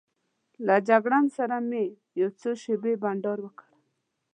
له جګړن سره مې یو څو شېبې بانډار وکړ.